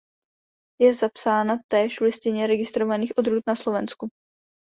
Je zapsána též v Listině registrovaných odrůd na Slovensku.